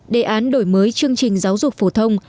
đề án đổi mới chương trình giáo dục phổ thông